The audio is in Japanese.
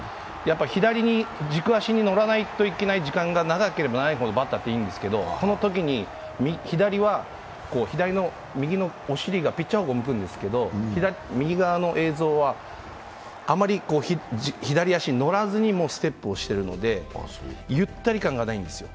左に、軸足に乗らなきゃいけない時間が長ければ長いほどバッターっていいんですけど、このときに右のおしりがピッチャーに向くんですけど右側の映像は、あまり左足に乗らずにステップをしてるのでゆったり感がないんですよ。